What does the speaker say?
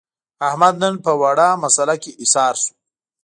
احمد نن په وړه مسعله کې حصار شو.